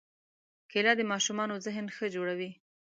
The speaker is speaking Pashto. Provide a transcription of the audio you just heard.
کېله د ماشومانو ذهن ښه جوړوي.